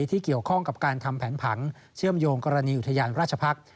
ที่เกี่ยวข้องกับการทำแผนผังเชื่อมโยงกรณีอุทยานราชพักษ์